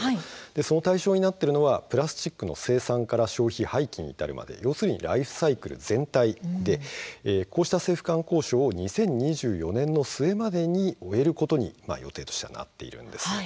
その対象になっているのがプラスチックの生産から消費、廃棄に至るまで要するにライフサイクル全体でこうした政府間交渉を２０２４年の末までに終えることに予定としてはなっているんです。